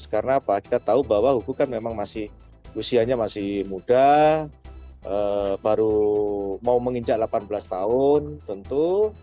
karena apa kita tahu bahwa hugo kan memang masih usianya masih muda baru mau menginjak delapan belas tahun tentu